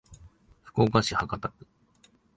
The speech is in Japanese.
福岡市博多区